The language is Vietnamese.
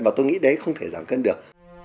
và tôi nghĩ đấy không thể giảm cân được